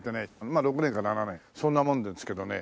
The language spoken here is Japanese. まあ６年か７年そんなもんですけどね。